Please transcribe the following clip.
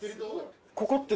ここって。